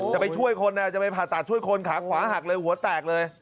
จะไปช่วยคนจะไปผ่าตัดช่วยคนขาขวาหักเลยหัวแตกเลย